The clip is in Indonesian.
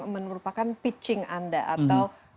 menurupakan pitching anda atau